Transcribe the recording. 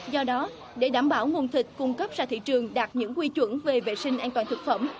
do đó để đảm bảo nguồn thịt cung cấp ra thị trường đạt những quy chuẩn về vệ sinh an toàn thực phẩm